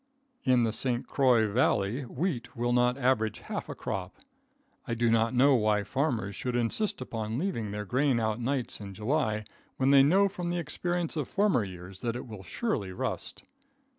In the St. Croix valley wheat will not average a half crop. I do not know why farmers should insist upon leaving their grain out nights in July, when they know from the experience of former years that it will surely rust.